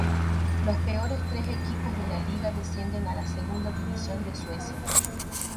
Los peores tres equipos de la liga descienden a la Segunda División de Suecia.